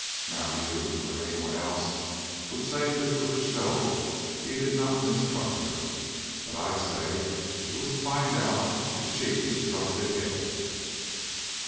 Now you, or any one else, would say this was to show he did not mistrust her, but I say it was to find out if she mistrusted him."